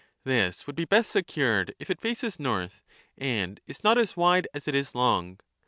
This would be best secured if it faces north and is not as wide as it is long.